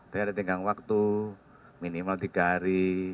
kita ada tinggang waktu minimal tiga hari